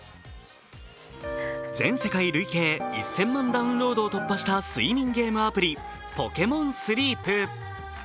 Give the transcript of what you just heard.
全世界累計１０００万ダウンロードを突破した睡眠ゲームアプリ、「ＰｏｋｅｍｏｎＳｌｅｅｐ」。